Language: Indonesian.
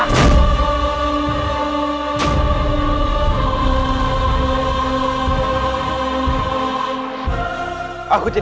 aku tidak bisa membuatnya